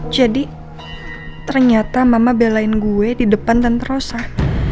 jadi ternyata mama belain gue di depan tanpa terosan